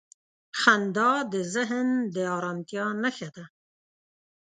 • خندا د ذهن د آرامتیا نښه ده.